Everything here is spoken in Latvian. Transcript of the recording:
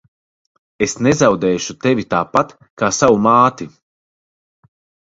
Es nezaudēšu tevi tāpat kā savu māti.